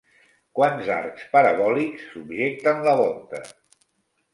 Quants arcs parabòlics subjecten la volta?